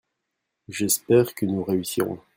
J'espère que nous réussirons !